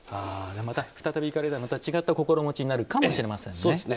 また行かれたと違う心持ちになるかもしれませんね。